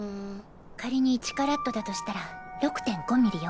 仮に１カラットだとしたら６．５ミリよ。